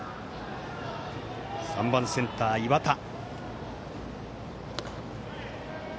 ３番、センター岩田。